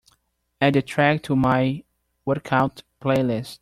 Add the track to my workout playlist.